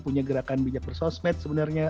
punya gerakan bijak bersosmed sebenarnya